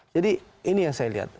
jadi ini yang saya lihat